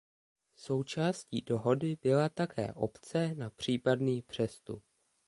Součástí dohody byla také opce na případný přestup.